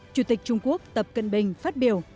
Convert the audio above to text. chủ tịch trung quốc tập cận bình phát biểu